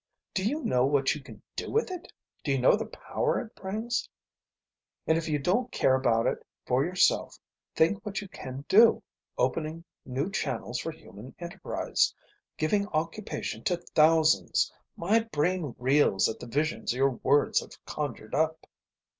Do you know what you can do with it? Do you know the power it brings? And if you don't care about it for yourself think what you can do, opening new channels for human enterprise, giving occupation to thousands. My brain reels at the visions your words have conjured up."